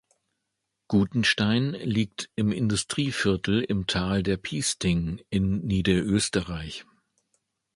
Gutenstein liegt im Industrieviertel im Tal der Piesting in Niederösterreich.